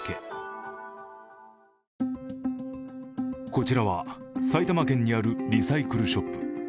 こちらは埼玉県にあるリサイクルショップ。